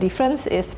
dan perbedaan itu